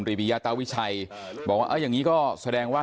ิยาตาวิชัยบอกว่าเอาอย่างนี้ก็แสดงว่า